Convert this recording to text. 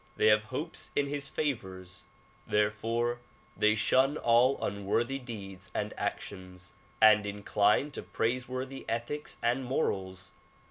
They have hopes in his favors, therefore they shun all unworthy deeds and actions and incline to praiseworthy ethics and morals.